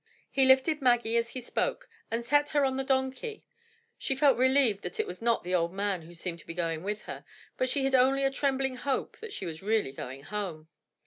He lifted Maggie as he spoke, and set her on the donkey. She felt relieved that it was not the old man who seemed to be going with her, but she had only a trembling hope that she was really going home.